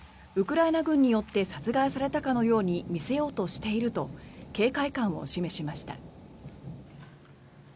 ウクライナ軍によって殺害されたかのように見せようとしていると警戒感を示しました。